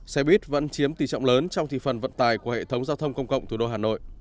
xe buýt vẫn chiếm tỷ trọng lớn trong thị phần vận tài của hệ thống giao thông công cộng thủ đô hà nội